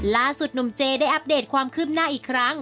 ล่าสุดหนุ่มเจได้อัปเดตความคืบหน้าอีกครั้ง